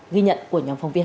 ghi nhận của nhóm phong viên